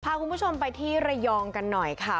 พาคุณผู้ชมไปที่ระยองกันหน่อยค่ะ